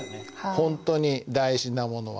「ほんとに大事なものは」